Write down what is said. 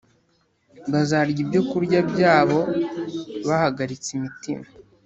Bazarya ibyokurya byabo bahagaritse imitima